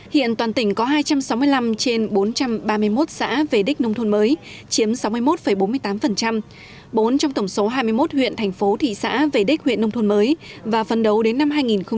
hiện toàn tỉnh có hai trăm sáu mươi năm trên bốn trăm ba mươi một xã về đích nông thôn mới chiếm sáu mươi một bốn mươi tám bốn trong tổng số hai mươi một huyện thành phố thị xã về đích huyện nông thôn mới và phân đấu đến năm hai nghìn hai mươi